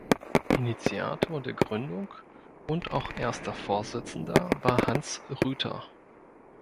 Initiator der Gründung und auch erster Vorsitzender war Hans Rüther.